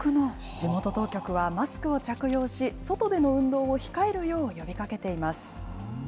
地元当局は、マスクを着用し、外での運動を控えるよう呼びかけています。